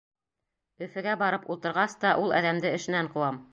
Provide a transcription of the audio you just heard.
Өфөгә барып ултырғас та ул әҙәмде эшенән ҡыуам!